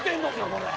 これ。